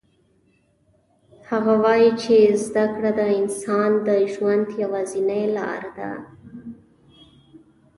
هغه وایي چې زده کړه د انسان د ژوند یوازینی لار ده